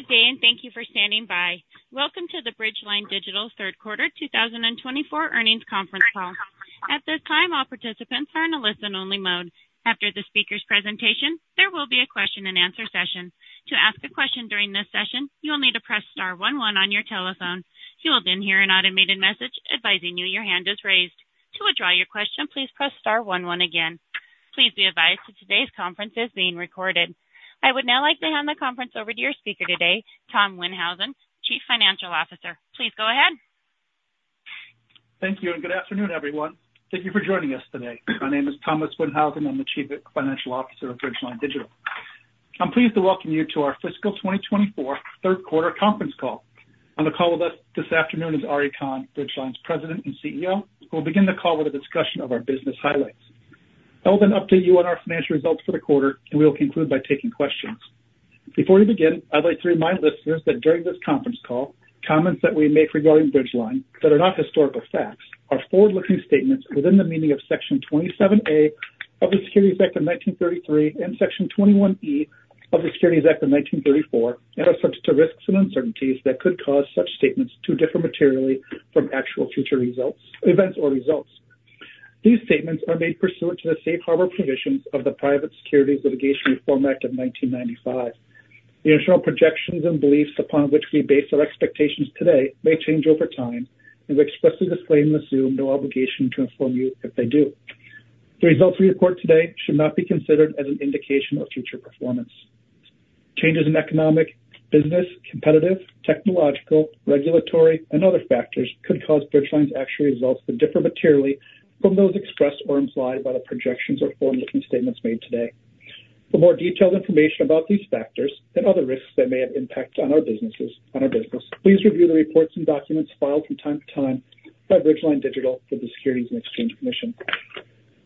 Good day, and thank you for standing by. Welcome to the Bridgeline Digital Third Quarter 2024 earnings conference call. At this time, all participants are in a listen-only mode. After the speaker's presentation, there will be a question-and-answer session. To ask a question during this session, you will need to press star one one on your telephone. You will then hear an automated message advising you your hand is raised. To withdraw your question, please press star one one again. Please be advised that today's conference is being recorded. I would now like to hand the conference over to your speaker today, Tom Windhausen, Chief Financial Officer. Please go ahead. Thank you, and good afternoon, everyone. Thank you for joining us today. My name is Thomas Windhausen. I'm the Chief Financial Officer of Bridgeline Digital. I'm pleased to welcome you to our fiscal 2024 third quarter conference call. On the call with us this afternoon is Ari Kahn, Bridgeline's President and CEO, who will begin the call with a discussion of our business highlights. I will then update you on our financial results for the quarter, and we will conclude by taking questions. Before we begin, I'd like to remind listeners that during this conference call, comments that we make regarding Bridgeline Digital that are not historical facts are forward-looking statements within the meaning of Section 27A of the Securities Act of 1933 and Section 21E of the Securities Act of 1934, and are subject to risks and uncertainties that could cause such statements to differ materially from actual future results, events, or results. These statements are made pursuant to the safe harbor provisions of the Private Securities Litigation Reform Act of 1995. The internal projections and beliefs upon which we base our expectations today may change over time, and we expressly disclaim and assume no obligation to inform you if they do. The results we report today should not be considered as an indication of future performance. Changes in economic, business, competitive, technological, regulatory, and other factors could cause Bridgeline's actual results to differ materially from those expressed or implied by the projections or forward-looking statements made today. For more detailed information about these factors and other risks that may have impact on our businesses, on our business, please review the reports and documents filed from time to time by Bridgeline Digital with the Securities and Exchange Commission.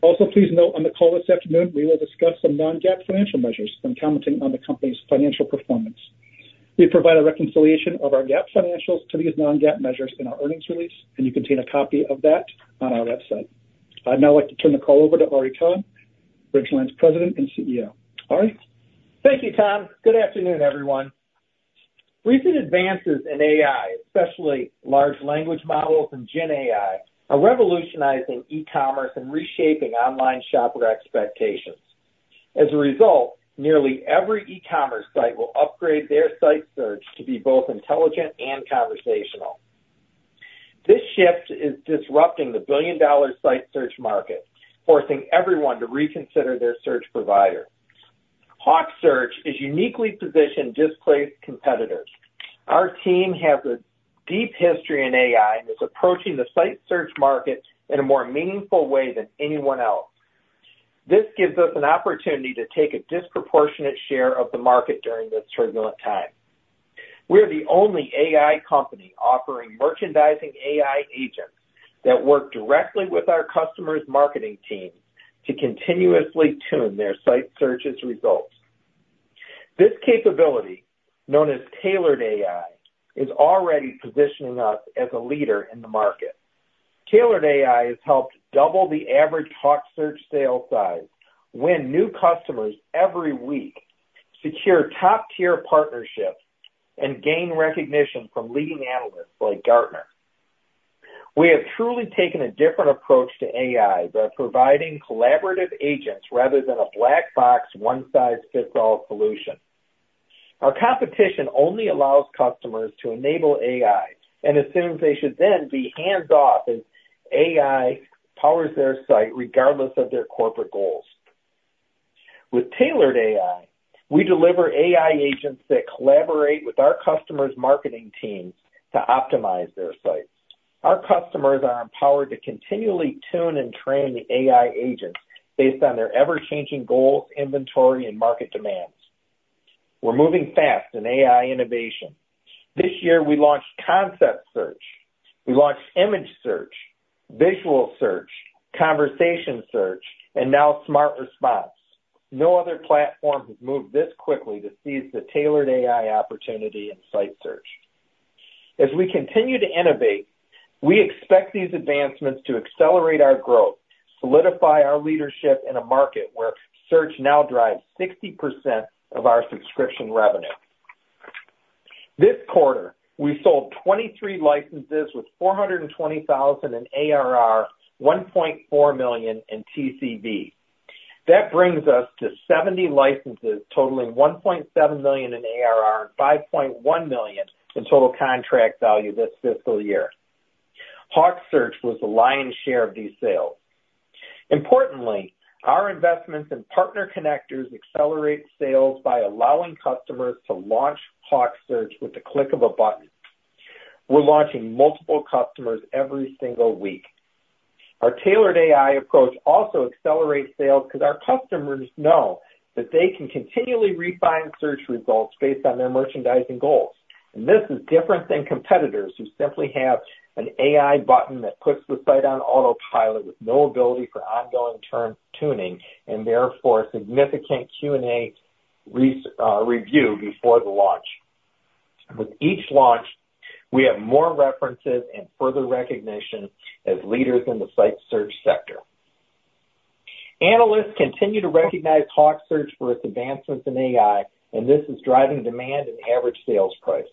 Also, please note, on the call this afternoon, we will discuss some non-GAAP financial measures when commenting on the company's financial performance. We provide a reconciliation of our GAAP financials to these non-GAAP measures in our earnings release, and you can obtain a copy of that on our website. I'd now like to turn the call over to Ari Kahn, Bridgeline's President and CEO. Ari? Thank you, Tom. Good afternoon, everyone. Recent advances in AI, especially large language models and GenAI, are revolutionizing e-commerce and reshaping online shopper expectations. As a result, nearly every e-commerce site will upgrade their site search to be both intelligent and conversational. This shift is disrupting the billion-dollar site search market, forcing everyone to reconsider their search provider. HawkSearch is uniquely positioned to displace competitors. Our team has a deep history in AI and is approaching the site search market in a more meaningful way than anyone else. This gives us an opportunity to take a disproportionate share of the market during this turbulent time. We're the only AI company offering merchandising AI agents that work directly with our customers' marketing teams to continuously tune their site search results. This capability, known as Tailored AI, is already positioning us as a leader in the market. Tailored AI has helped double the average HawkSearch sale size, win new customers every week, secure top-tier partnerships, and gain recognition from leading analysts like Gartner. We have truly taken a different approach to AI by providing collaborative agents rather than a black box, one-size-fits-all solution. Our competition only allows customers to enable AI, and assumes they should then be hands-off as AI powers their site, regardless of their corporate goals. With Tailored AI, we deliver AI agents that collaborate with our customers' marketing teams to optimize their sites. Our customers are empowered to continually tune and train the AI agents based on their ever-changing goals, inventory, and market demands. We're moving fast in AI innovation. This year, we launched Concept Search, we launched Image Search, Visual Search, Conversational Search, and now Smart Response. No other platform has moved this quickly to seize the Tailored AI opportunity in site search. As we continue to innovate, we expect these advancements to accelerate our growth, solidify our leadership in a market where search now drives 60% of our subscription revenue. This quarter, we sold 23 licenses with $420,000 in ARR, $1.4 million in TCV. That brings us to 70 licenses, totaling $1.7 million in ARR and $5.1 million in total contract value this fiscal year. HawkSearch was the lion's share of these sales. Importantly, our investments in partner connectors accelerate sales by allowing customers to launch HawkSearch with the click of a button. We're launching multiple customers every single week. Our Tailored AI approach also accelerates sales because our customers know that they can continually refine search results based on their merchandising goals. This is different than competitors, who simply have an AI button that puts the site on autopilot with no ability for ongoing tuning, and therefore, significant Q&A results review before the launch. With each launch, we have more references and further recognition as leaders in the site search sector. Analysts continue to recognize HawkSearch for its advancements in AI, and this is driving demand in average sales price.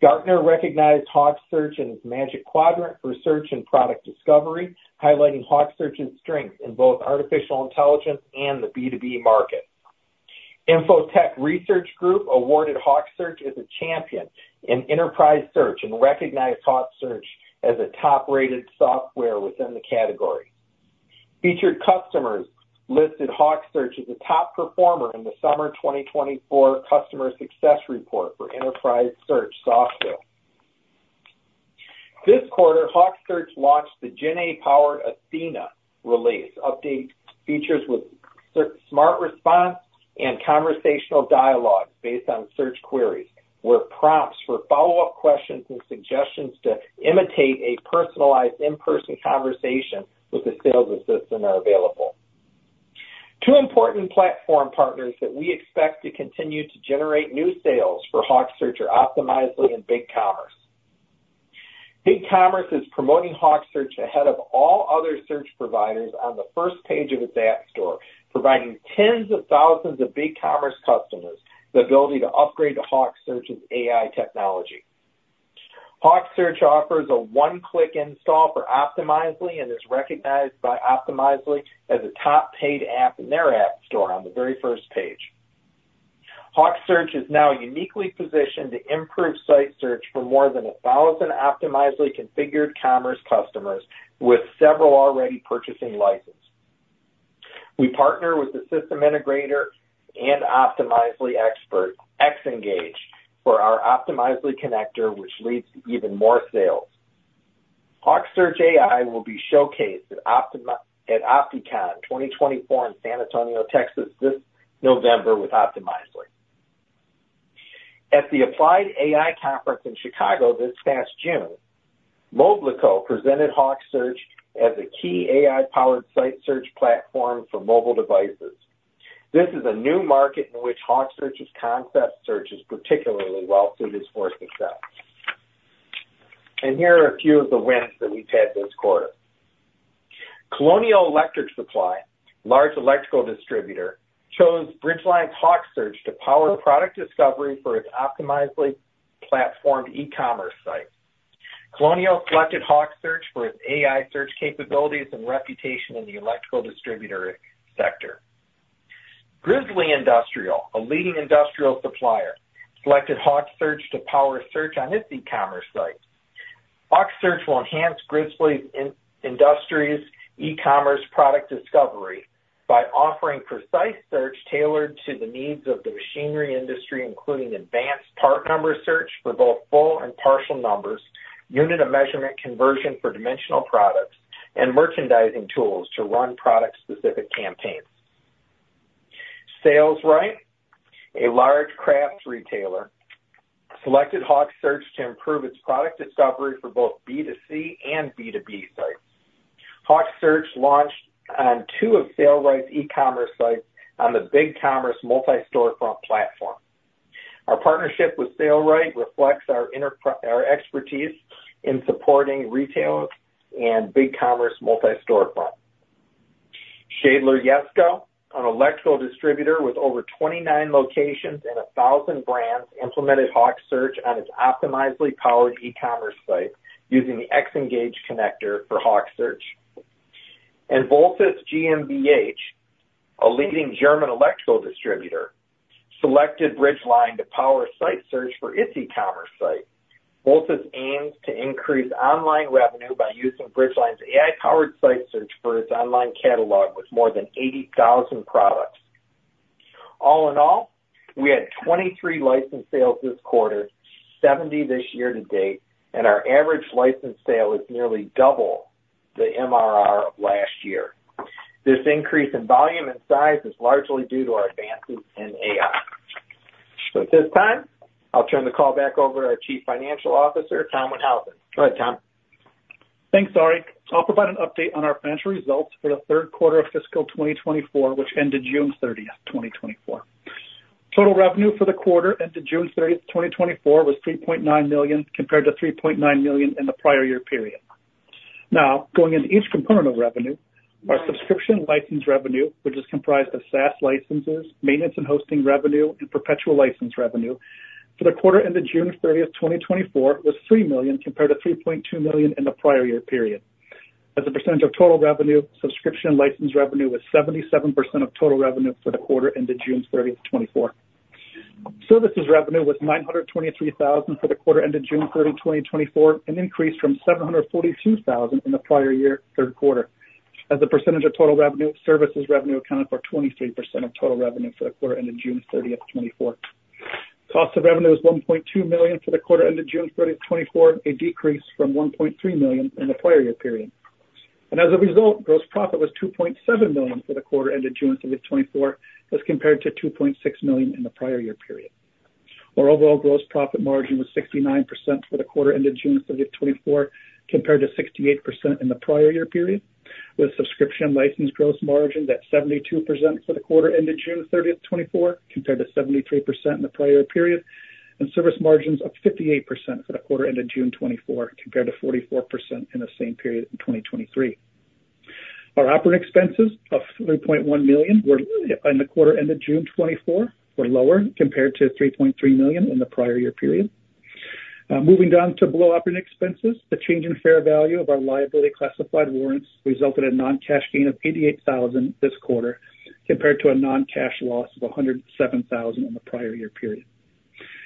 Gartner recognized HawkSearch in its Magic Quadrant for Search and Product Discovery, highlighting HawkSearch's strength in both artificial intelligence and the B2B market. Info-Tech Research Group awarded HawkSearch as a champion in enterprise search, and recognized HawkSearch as a top-rated software within the category. Featured Customers listed HawkSearch as a top performer in the Summer 2024 Customer Success Report for Enterprise Search Software. This quarter, HawkSearch launched the GenAI-powered Athena release update features with Smart Response and conversational dialogue based on search queries, where prompts for follow-up questions and suggestions to imitate a personalized in-person conversation with a sales assistant are available. Two important platform partners that we expect to continue to generate new sales for HawkSearch are Optimizely and BigCommerce. BigCommerce is promoting HawkSearch ahead of all other search providers on the first page of its app store, providing tens of thousands of BigCommerce customers the ability to upgrade to HawkSearch's AI technology. HawkSearch offers a one-click install for Optimizely, and is recognized by Optimizely as a top paid app in their app store on the very first page. HawkSearch is now uniquely positioned to improve site search for more than 1,000 Optimizely Configured Commerce customers, with several already purchasing licenses. We partner with the system integrator and Optimizely expert, Xngage, for our Optimizely connector, which leads to even more sales. HawkSearch AI will be showcased at Opticon 2024 in San Antonio, Texas, this November with Optimizely. At the Applied AI Conference in Chicago this past June, Moblico presented HawkSearch as a key AI-powered site search platform for mobile devices. This is a new market in which HawkSearch's Concept Search is particularly well suited for success. Here are a few of the wins that we've had this quarter. Colonial Electric Supply, large electrical distributor, chose Bridgeline's HawkSearch to power product discovery for its Optimizely-powered e-commerce site. Colonial selected HawkSearch for its AI search capabilities and reputation in the electrical distributor sector. Grizzly Industrial, a leading industrial supplier, selected HawkSearch to power search on its e-commerce site. HawkSearch will enhance Grizzly Industrial's industrial e-commerce product discovery by offering precise search tailored to the needs of the machinery industry, including advanced part number search for both full and partial numbers, unit of measurement conversion for dimensional products, and merchandising tools to run product-specific campaigns. Sailrite, a large crafts retailer, selected HawkSearch to improve its product discovery for both B2C and B2B sites. HawkSearch launched on two of Sailrite's e-commerce sites on the BigCommerce Multi-Storefront platform. Our partnership with Sailrite reflects our expertise in supporting retailers and BigCommerce Multi-Storefront. Schaedler Yesco, an electrical distributor with over 29 locations and 1,000 brands, implemented HawkSearch on its Optimizely-powered e-commerce site using the Xngage connector for HawkSearch. Voltus GmbH, a leading German electrical distributor, selected Bridgeline to power site search for its e-commerce site. Voltus aims to increase online revenue by using Bridgeline's AI-powered site search for its online catalog with more than 80,000 products. All in all, we had 23 licensed sales this quarter, 70 this year to date, and our average license sale is nearly double the MRR of last year. This increase in volume and size is largely due to our advances in AI. At this time, I'll turn the call back over to our Chief Financial Officer, Tom Windhausen. Go ahead, Tom. Thanks, Ari. I'll provide an update on our financial results for the third quarter of fiscal 2024, which ended June 30th, 2024. Total revenue for the quarter ended June 30th, 2024, was $3.9 million, compared to $3.9 million in the prior year period. Now, going into each component of revenue, our subscription license revenue, which is comprised of SaaS licenses, maintenance and hosting revenue, and perpetual license revenue, for the quarter ended June 30th, 2024, was $3 million, compared to $3.2 million in the prior year period. As a percentage of total revenue, subscription license revenue was 77% of total revenue for the quarter ended June 30th, 2024. Services revenue was $923,000 for the quarter ended June 30th, 2024, an increase from $742,000 in the prior year third quarter. As a percentage of total revenue, services revenue accounted for 23% of total revenue for the quarter ended June 30th, 2024. Cost of revenue was $1.2 million for the quarter ended June 30th, 2024, a decrease from $1.3 million in the prior year period. And as a result, gross profit was $2.7 million for the quarter ended June 30th, 2024, as compared to $2.6 million in the prior year period. Our overall gross profit margin was 69% for the quarter ended June 30th, 2024, compared to 68% in the prior year period, with subscription license gross margin at 72% for the quarter ended June 30th, 2024, compared to 73% in the prior period, and service margins up 58% for the quarter ended June 2024, compared to 44% in the same period in 2023. Our operating expenses of $3.1 million in the quarter ended June 2024 were lower compared to $3.3 million in the prior year period. Moving down to below operating expenses, the change in fair value of our liability-classified warrants resulted in non-cash gain of $88,000 this quarter, compared to a non-cash loss of $107,000 in the prior year period.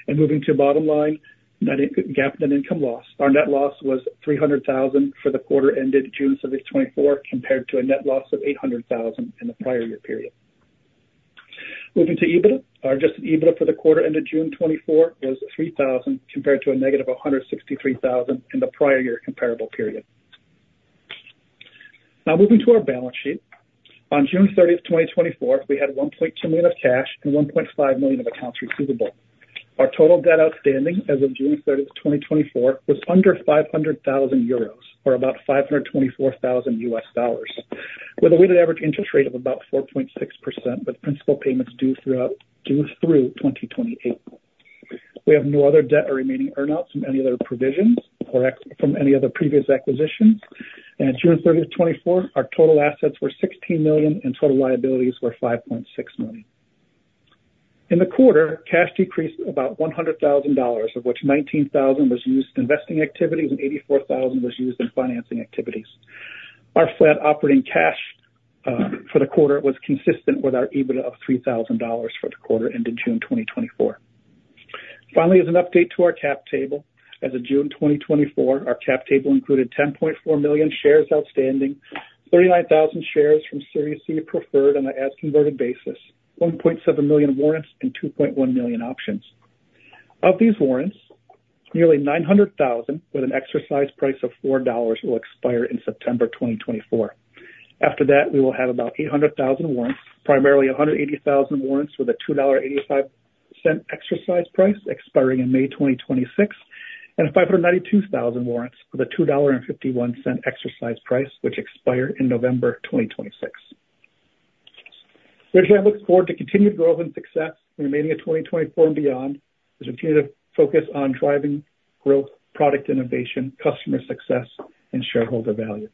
And moving to bottom line, net income/loss, GAAP net income loss. Our net loss was $300,000 for the quarter ended June 30th, 2024, compared to a net loss of $800,000 in the prior year period. Moving to EBITDA, our adjusted EBITDA for the quarter ended June 2024 was $3,000, compared to a negative $163,000 in the prior year comparable period. Now, moving to our balance sheet. On June 30th, 2024, we had $1.2 million of cash and $1.5 million of accounts receivable. Our total debt outstanding as of June 30th, 2024, was under 500,000 euros, or about $524,000, with a weighted average interest rate of about 4.6%, with principal payments due through 2028. We have no other debt or remaining earnouts from any other provisions or from any other previous acquisitions. As of June 30th, 2024, our total assets were $16 million, and total liabilities were $5.6 million. In the quarter, cash decreased about $100,000, of which $19,000 was used in investing activities and $84,000 was used in financing activities. Our flat operating cash for the quarter was consistent with our EBITDA of $3,000 for the quarter ended June 2024. Finally, as an update to our cap table, as of June 2024, our cap table included 10.4 million shares outstanding, 39,000 shares from Series C preferred on an as-converted basis, 1.7 million warrants, and 2.1 million options. Of these warrants, nearly 900,000, with an exercise price of $4, will expire in September 2024. After that, we will have about 800,000 warrants, primarily 180,000 warrants with a $2.85 exercise price expiring in May 2026, and 592,000 warrants with a $2.51 exercise price, which expire in November 2026. Bridgeline looks forward to continued growth and success in the remaining of 2024 and beyond, as we continue to focus on driving growth, product innovation, customer success, and shareholder value.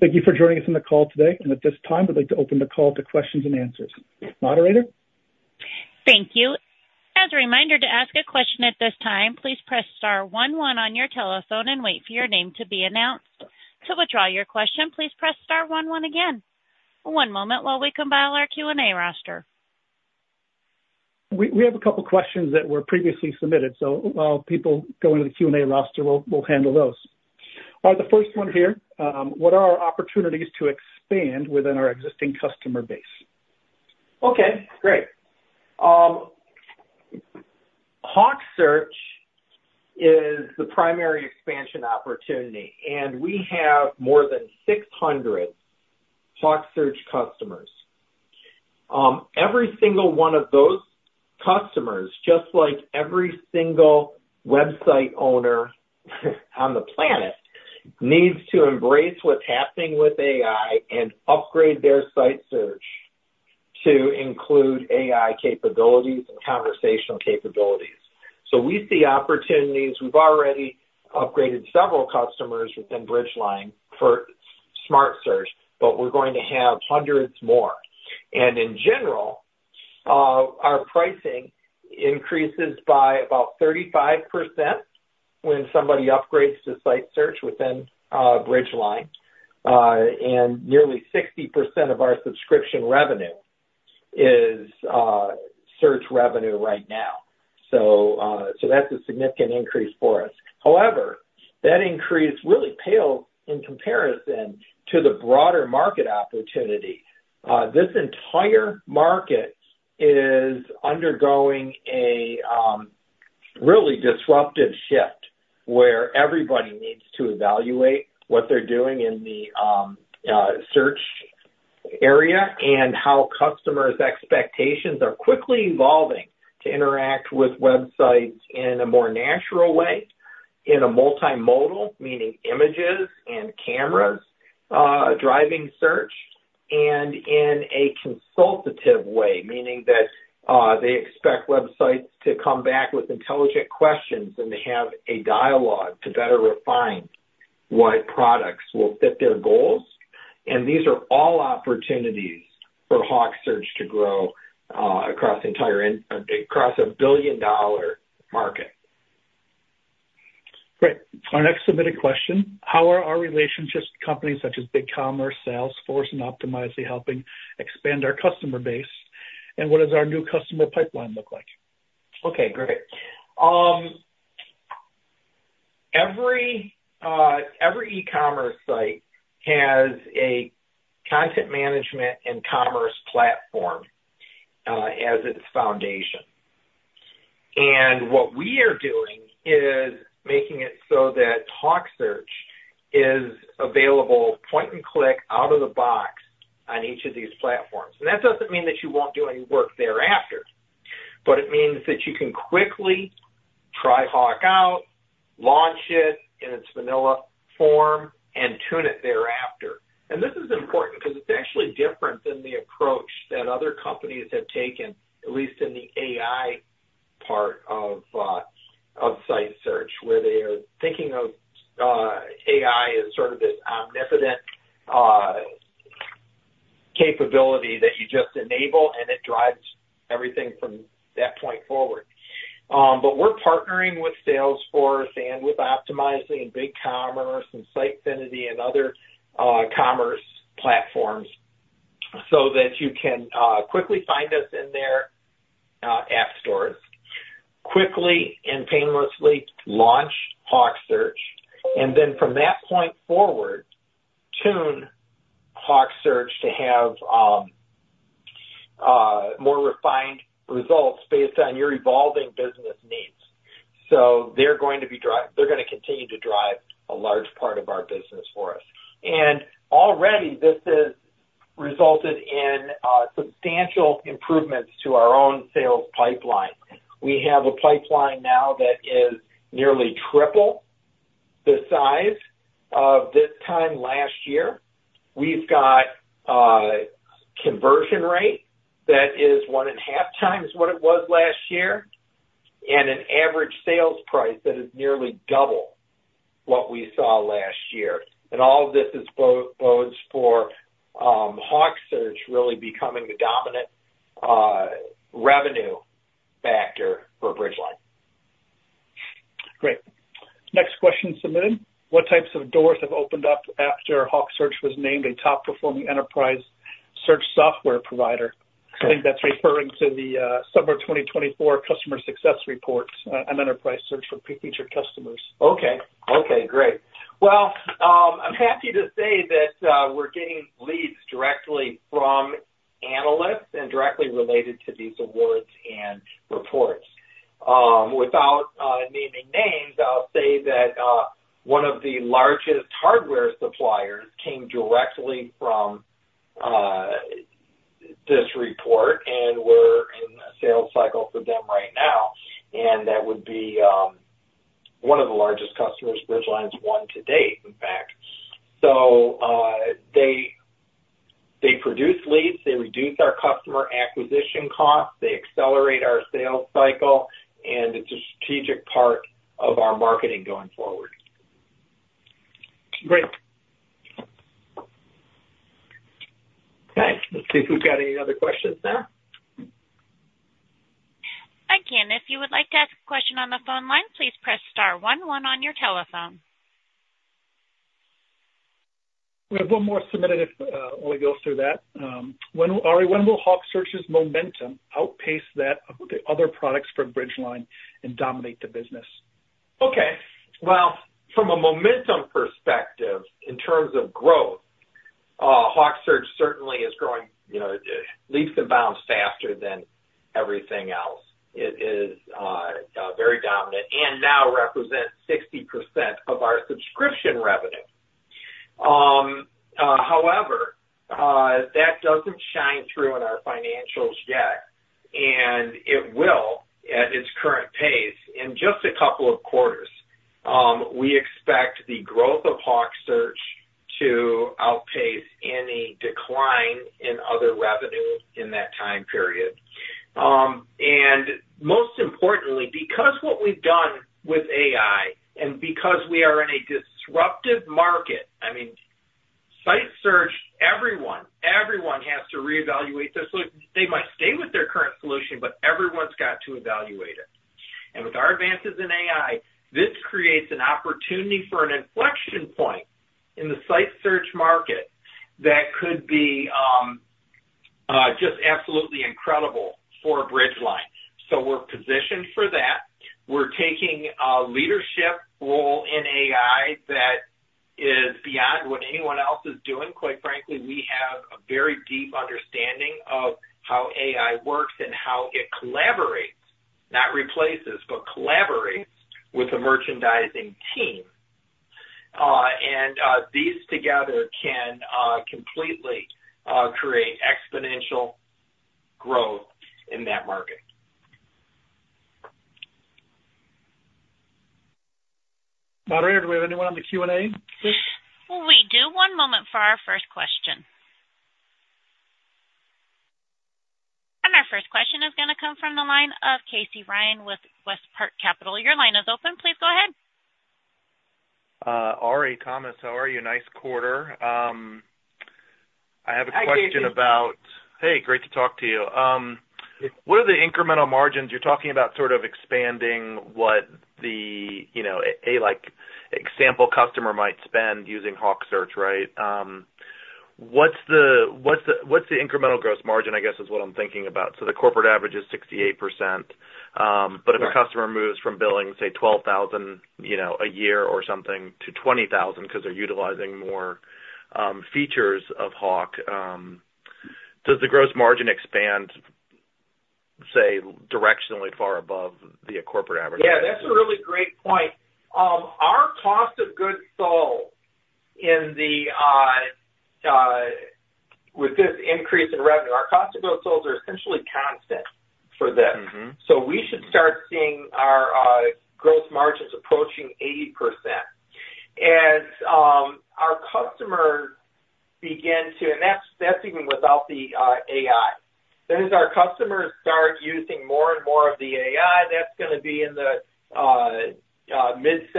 Thank you for joining us on the call today, and at this time, I'd like to open the call to questions and answers. Moderator? Thank you. As a reminder, to ask a question at this time, please press star one one on your telephone and wait for your name to be announced. To withdraw your question, please press star one one again. One moment while we compile our Q&A roster. We have a couple questions that were previously submitted, so while people go into the Q&A roster, we'll handle those. The first one here: What are our opportunities to expand within our existing customer base? Okay, great. HawkSearch is the primary expansion opportunity, and we have more than 600 HawkSearch customers. Every single one of those customers, just like every single website owner on the planet, needs to embrace what's happening with AI and upgrade their site search to include AI capabilities and conversational capabilities. So we see opportunities. We've already upgraded several customers within Bridgeline for Smart Search, but we're going to have hundreds more. And in general, our pricing increases by about 35% when somebody upgrades to site search within Bridgeline, and nearly 60% of our subscription revenue is search revenue right now. So, that's a significant increase for us. However, that increase really pales in comparison to the broader market opportunity. This entire market is undergoing a really disruptive shift, where everybody needs to evaluate what they're doing in the search area and how customers' expectations are quickly evolving to interact with websites in a more natural way, in a multimodal, meaning images and cameras driving search, and in a consultative way, meaning that they expect websites to come back with intelligent questions, and they have a dialogue to better refine what products will fit their goals. And these are all opportunities for HawkSearch to grow across the entire across a billion-dollar market. Great. Our next submitted question: How are our relationships with companies such as BigCommerce, Salesforce, and Optimizely helping expand our customer base, and what does our new customer pipeline look like? Okay, great. Every e-commerce site has a content management and commerce platform as its foundation. And what we are doing is making it so that HawkSearch is available, point and click, out of the box on each of these platforms. And that doesn't mean that you won't do any work thereafter, but it means that you can quickly try HawkSearch out in its vanilla form and tune it thereafter. And this is important because it's actually different than the approach that other companies have taken, at least in the AI part of site search, where they are thinking of AI as sort of this omnipotent capability that you just enable, and it drives everything from that point forward. But we're partnering with Salesforce and with Optimizely, BigCommerce, and Sitefinity, and other commerce platforms, so that you can quickly find us in their app stores. Quickly and painlessly launch HawkSearch, and then from that point forward, tune HawkSearch to have more refined results based on your evolving business needs. So they're gonna continue to drive a large part of our business for us. And already, this has resulted in substantial improvements to our own sales pipeline. We have a pipeline now that is nearly triple the size of this time last year. We've got a conversion rate that is 1.5 times what it was last year, and an average sales price that is nearly double what we saw last year. All of this bodes for HawkSearch really becoming the dominant revenue factor for Bridgeline. Great. Next question submitted: What types of doors have opened up after HawkSearch was named a top-performing enterprise search software provider? I think that's referring to the Summer 2024 Customer Success Report on Enterprise Search for Featured Customers. Okay. Okay, great. Well, I'm happy to say that we're getting leads directly from analysts and directly related to these awards and reports. Without naming names, I'll say that one of the largest hardware suppliers came directly from this report, and we're in a sales cycle with them right now, and that would be one of the largest customers Bridgeline's won to date, in fact. So, they produce leads, they reduce our customer acquisition costs, they accelerate our sales cycle, and it's a strategic part of our marketing going forward. Great. Okay, let's see if we've got any other questions now. Again, if you would like to ask a question on the phone line, please press star one one on your telephone. We have one more submitted, if while we go through that. When, Ari, when will HawkSearch's momentum outpace that of the other products from Bridgeline and dominate the business? Okay. Well, from a momentum perspective, in terms of growth, HawkSearch certainly is growing, you know, leaps and bounds faster than everything else. It is, very dominant and now represents 60% of our subscription revenue. However, that doesn't shine through in our financials yet, and it will, at its current pace, in just a couple of quarters. We expect the growth of HawkSearch to outpace any decline in other revenue in that time period. And most importantly, because what we've done with AI and because we are in a disruptive market, I mean, site search, everyone, everyone has to reevaluate their solution. They might stay with their current solution, but everyone's got to evaluate it. With our advances in AI, this creates an opportunity for an inflection point in the site search market that could be just absolutely incredible for Bridgeline. We're positioned for that. We're taking a leadership role in AI that is beyond what anyone else is doing. Quite frankly, we have a very deep understanding of how AI works and how it collaborates, not replaces, but collaborates with the merchandising team. And these together can completely create exponential growth in that market. Moderator, do we have anyone on the Q&A, please? We do. One moment for our first question. Our first question is gonna come from the line of Casey Ryan with WestPark Capital. Your line is open. Please go ahead. Ari, Thomas, how are you? Nice quarter. I have a question about- Hi, Casey. Hey, great to talk to you. What are the incremental margins? You're talking about sort of expanding what the, you know, a, like, example customer might spend using HawkSearch, right? What's the incremental gross margin, I guess, is what I'm thinking about. So the corporate average is 68%. Right. but if a customer moves from billing, say, $12,000 a year or something, to $20,000 because they're utilizing more features of Hawk, does the gross margin expand, say, directionally far above the corporate average? Yeah, that's a really great point. Our cost of goods sold with this increase in revenue, our cost of goods sold are essentially constant for this. Mm-hmm. So we should start seeing our growth margins approaching 80%. As our customers begin to and that's, that's even without the AI. Then as our customers start using more and more of the AI, that's gonna be in the mid-70%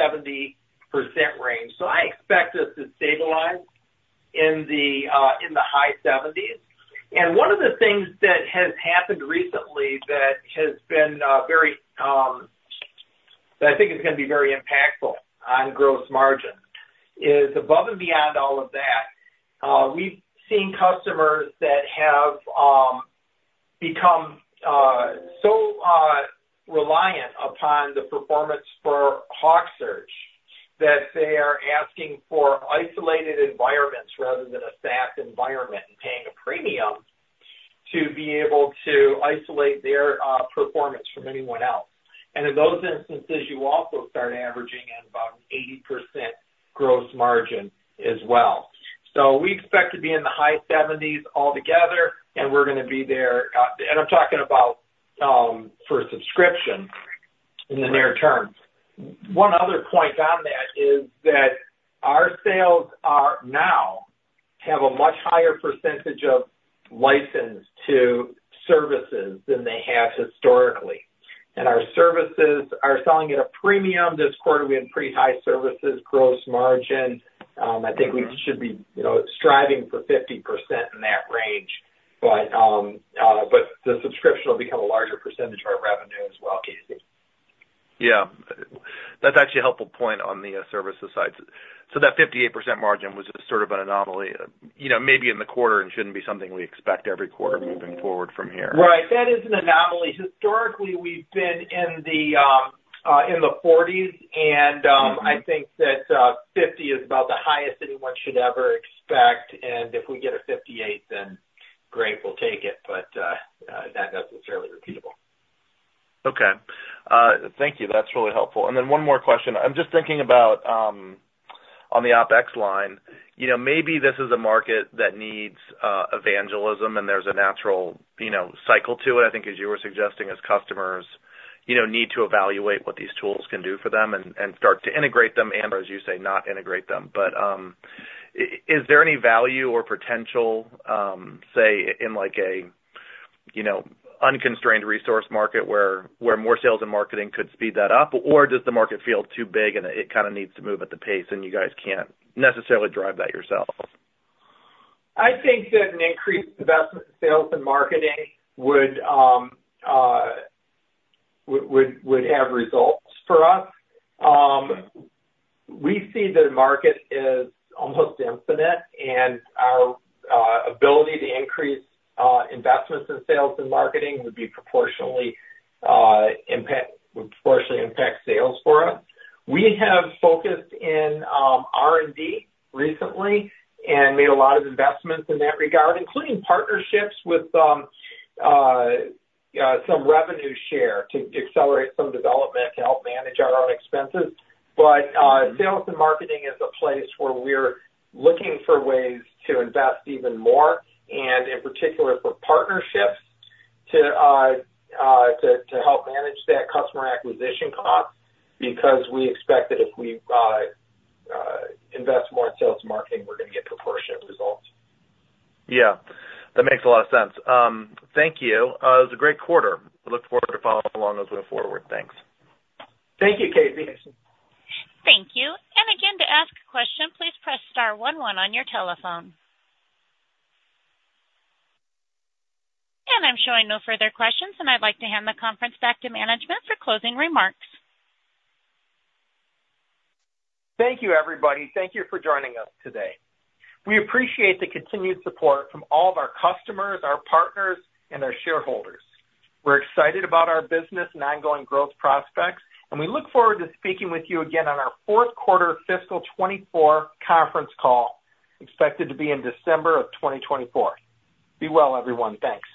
range. So I expect us to stabilize in the high 70s. And one of the things that has happened recently that has been very, that I think is gonna be very impactful on gross margin, is above and beyond all of that, we've seen customers that have become so reliant upon the performance for HawkSearch, that they are asking for isolated environments rather than a SaaS environment, and paying a premium to be able to isolate their performance from anyone else. In those instances, you also start averaging in about an 80% gross margin as well. We expect to be in the high 70s% altogether, and we're gonna be there. I'm talking about for subscription in the near term. One other point on that is that our sales are now have a much higher percentage of license to services than they have historically. Our services are selling at a premium this quarter. We had pretty high services gross margin. I think- Mm-hmm. We should be, you know, striving for 50% in that range. But, but the subscription will become a larger percentage of our revenue as well, Casey. Yeah. That's actually a helpful point on the services side. So that 58% margin was sort of an anomaly, you know, maybe in the quarter, and shouldn't be something we expect every quarter moving forward from here. Right. That is an anomaly. Historically, we've been in the forties and, Mm-hmm.... I think that, 50 is about the highest anyone should ever expect, and if we get a 58, then great, we'll take it, but, that's not necessarily repeatable. Okay. Thank you. That's really helpful. And then one more question. I'm just thinking about, on the OpEx line, you know, maybe this is a market that needs, evangelism, and there's a natural, you know, cycle to it. I think, as you were suggesting, as customers, you know, need to evaluate what these tools can do for them and, and start to integrate them, and as you say, not integrate them. But, is there any value or potential, say, in like a, you know, unconstrained resource market, where, where more sales and marketing could speed that up? Or does the market feel too big and it kind of needs to move at the pace, and you guys can't necessarily drive that yourself? I think that an increased investment in sales and marketing would have results for us. We see the market as almost infinite, and our ability to increase investments in sales and marketing would proportionally impact sales for us. We have focused in R&D recently and made a lot of investments in that regard, including partnerships with some revenue share to accelerate some development to help manage our own expenses. But sales and marketing is a place where we're looking for ways to invest even more, and in particular, for partnerships to help manage that customer acquisition cost, because we expect that if we invest more in sales and marketing, we're gonna get proportionate results. Yeah, that makes a lot of sense. Thank you. It was a great quarter. I look forward to following along as we go forward. Thanks. Thank you, Casey. Thank you. Again, to ask a question, please press star one one on your telephone. I'm showing no further questions, and I'd like to hand the conference back to management for closing remarks. Thank you, everybody. Thank you for joining us today. We appreciate the continued support from all of our customers, our partners, and our shareholders. We're excited about our business and ongoing growth prospects, and we look forward to speaking with you again on our fourth quarter fiscal 2024 conference call, expected to be in December of 2024. Be well, everyone. Thanks.